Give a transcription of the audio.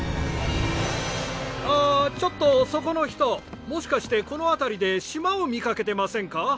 あちょっとそこの人もしかしてこの辺りで島を見かけてませんか？